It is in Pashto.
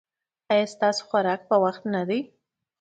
ایا ستاسو خوراک په وخت نه دی؟